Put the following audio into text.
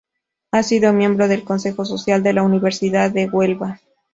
Ha sido miembro del Consejo Social de la Universidad de Huelva.